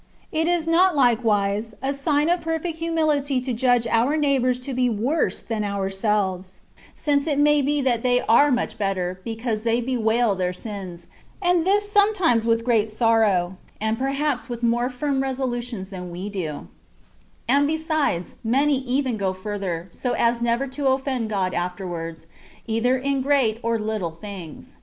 It is not, likewise, a sign of perfect humility to judge our neighbours to be worse than ourselves, since it may be that they are much better, because they bewail their sins, and this sometimes with great sorrow, and per haps with more firm resolutions than we do ; and besides, many even go further, so as never to offend God afterwards, either in great or little things.